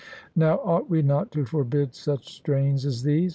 Now, ought we not to forbid such strains as these?